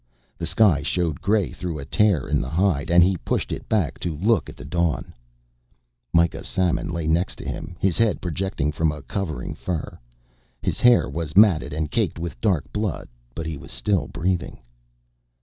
The sky showed gray through a tear in the hide and he pushed it back to look at the dawn. Mikah Samon lay next to him his head projecting from a covering fur. He hair was matted and caked with dark blood, but he was still breathing.